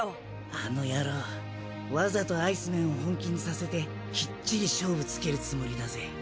あの野郎わざとアイスメンを本気にさせてきっちり勝負つけるつもりだぜ。